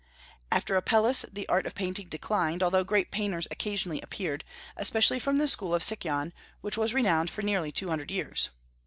After Apelles, the art of painting declined, although great painters occasionally appeared, especially from the school of Sicyon, which was renowned for nearly two hundred years.